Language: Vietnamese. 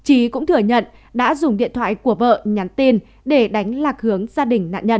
trí cũng thừa nhận đã dùng điện thoại của vợ nhắn tin để đánh lạc hướng gia đình nạn nhân